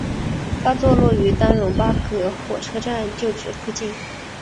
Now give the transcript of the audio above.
它将坐落于丹戎巴葛火车站旧址附近。